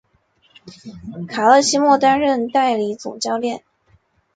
卡勒西莫担任代理总教练。